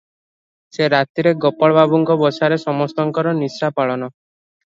ସେ ରାତିରେ ଗୋପାଳ ବାବୁଙ୍କ ବସାରେ ସମସ୍ତଙ୍କର ନିଶାପାଳନ ।